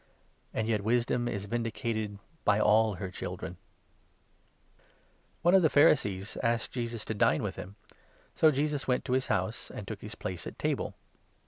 And yet Wisdom is vindicated 35 by all her children." of the Pharisees asked Jesus to dine with 36 •noint*d by him, so Jesus went to his house and took his • woman, place at table.